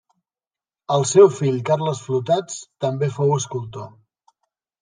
El seu fill Carles Flotats també fou escultor.